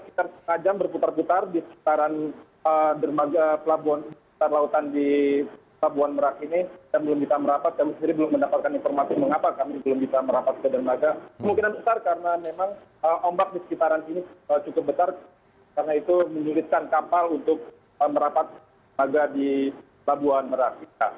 kita berhubung dengan kapal untuk merapat di pelabuhan merah